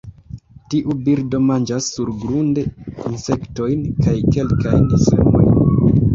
Tiu birdo manĝas surgrunde insektojn kaj kelkajn semojn.